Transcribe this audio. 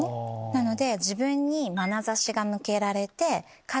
なので。